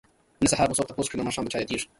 نه سهار مو څوک تپوس کړي نه ماښام د چا ياديږو